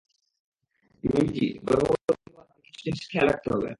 মিমি জি, গর্ভবতী হওয়ার পর আপনাকে কিছু জিনিসের খেয়াল রাখতে হবে।